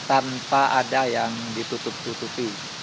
tanpa ada yang ditutup tutupi